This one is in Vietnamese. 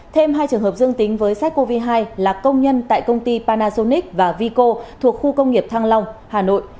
thêm hai trường hợp dương tính với sars cov hai là công nhân tại công ty panasonic và vico thuộc khu công nghiệp thăng long hà nội